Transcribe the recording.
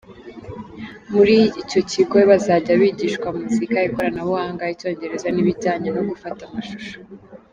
Muri icyo kigo bazajya bigishwa muzika, ikoranabuhanga, icyongereza n’ibijyanye no gufata amashusho.